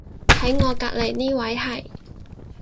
喺我隔離呢位係